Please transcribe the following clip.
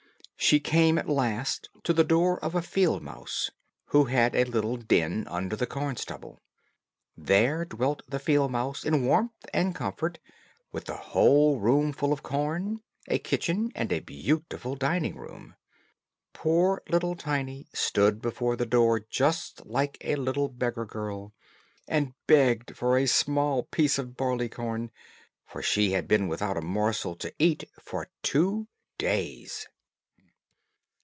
She came at last to the door of a field mouse, who had a little den under the corn stubble. There dwelt the field mouse in warmth and comfort, with a whole roomful of corn, a kitchen, and a beautiful dining room. Poor little Tiny stood before the door just like a little beggar girl, and begged for a small piece of barley corn, for she had been without a morsel to eat for two days.